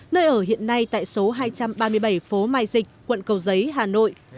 nơi ở hiện nay tại số hai trăm ba mươi bảy phố mai dịch quận cầu giấy hà nội